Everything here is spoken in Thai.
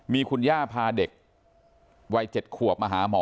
มีคุณย่าพาเด็กวัย๗ขวบมาหาหมอ